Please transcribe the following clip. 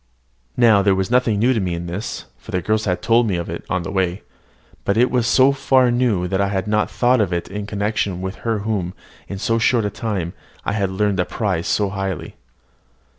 Now, there was nothing new to me in this (for the girls had told me of it on the way); but it was so far new that I had not thought of it in connection with her whom, in so short a time, I had learned to prize so highly.